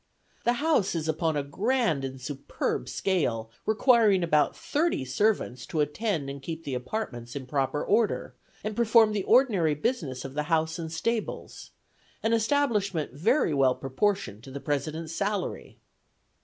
The house is upon a grand and superb scale, requiring about thirty servants to attend and keep the apartments in proper order, and perform the ordinary business of the house and stables; an establishment very well proportioned to the President's salary.